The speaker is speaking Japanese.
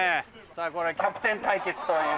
これはキャプテン対決という。